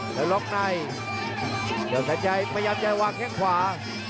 กระโดยสิ้งเล็กนี่ออกกันขาสันเหมือนกันครับ